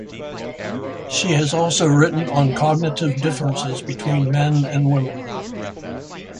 She has also written on cognitive differences between men and women.